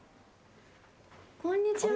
こんにちは。